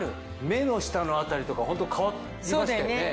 目の下の辺りとかホント変わりましたよね。